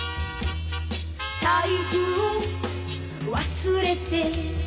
「財布を忘れて」